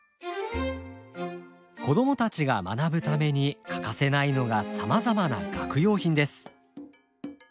子供たちが学ぶために欠かせないのがさまざまな学用品です。